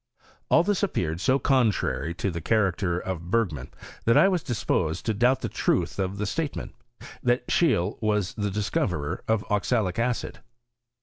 All this appeared so contrary to the character of Bergman, that I was disposed to doubt the truth of the statement, that Scheele was the discoverer of oxalic acid.